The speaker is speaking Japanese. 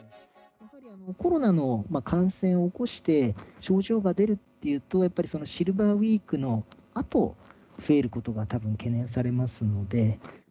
コロナの感染を起こして、症状が出るっていうと、やっぱりシルバーウイークのあと、増えることがたぶん懸念されますので。